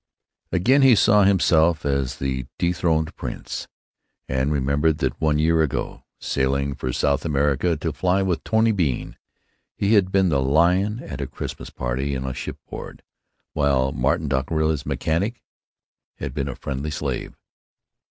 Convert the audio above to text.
Again he saw himself as the Dethroned Prince, and remembered that one year ago, sailing for South America to fly with Tony Bean, he had been the lion at a Christmas party on shipboard, while Martin Dockerill, his mechanic, had been a friendly slave.